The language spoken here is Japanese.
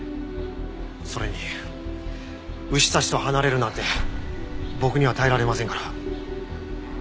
それに牛たちと離れるなんて僕には耐えられませんから。